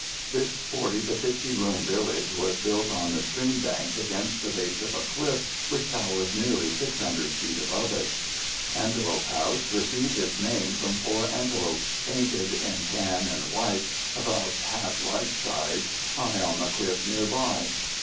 This 40 to 50 room village was built on the stream bank against the base of a cliff which towers nearly 600 feet above it. Antelope House received its name from four antelopes painted in tan and white, about half life size, high on the cliff nearby.